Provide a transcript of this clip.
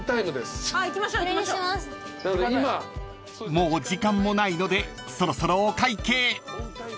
［もう時間もないのでそろそろお会計］